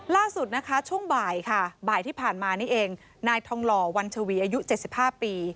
ล่าสุดนะคะช่วงบ่ายค่ะบ่ายที่ผ่านมานี่เองนายทองหล่อวันชวีอายุ๗๕ปี